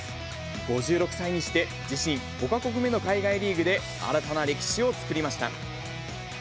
５６歳にして自身５か国目の海外リーグで、新たな歴史を作りました。